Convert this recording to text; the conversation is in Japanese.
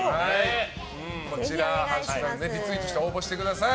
こちら、リツイートして応募してください。